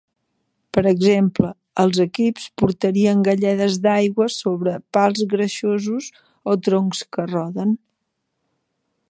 Per exemple, els equips portarien galledes d'aigua sobre pals greixosos o troncs que roden.